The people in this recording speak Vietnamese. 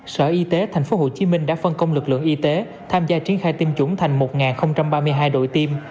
sở y tế tp hcm đã phân công lực lượng y tế tham gia triển khai tiêm chủng thành một ba mươi hai đội tiêm